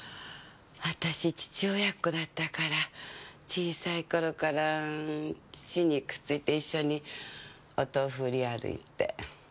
あたし父親っ子だったから小さい頃から父にくっついて一緒にお豆腐売り歩いて。